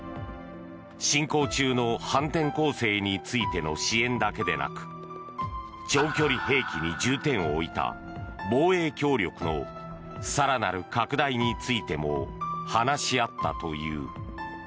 進行中の反転攻勢についての支援だけでなく長距離兵器に重点を置いた防衛協力の更なる拡大についても話し合ったという。